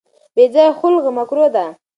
بې ځایه خلع مکروه ده.